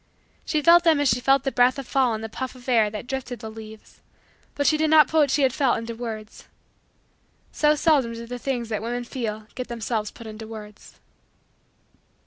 She felt them as she felt the breath of fall in the puff of air that drifted the leaves: but she did not put what she felt into words. So seldom do the things that women feel get themselves put into words.